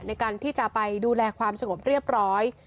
ในการที่จะไปดูแลความสงบเรียบร้อย